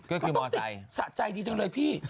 ก็ต้องติดสะใจดีจังเลยพี่